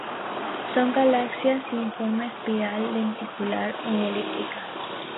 Son galaxias sin forma espiral, lenticular ni elíptica.